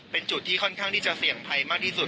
เป็นจุดที่ค่อนข้างที่จะเสี่ยงภัยมากที่สุด